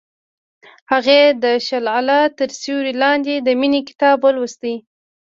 هغې د شعله تر سیوري لاندې د مینې کتاب ولوست.